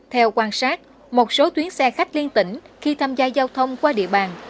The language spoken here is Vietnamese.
theo quan sát một số tuyến xe khách liên tỉnh khi tham gia giao thông qua địa bàn